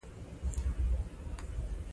دا آخذې د باڼه لرونکي حجرو په نامه دي.